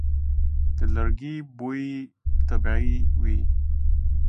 د لرګي بوی طبیعي وي.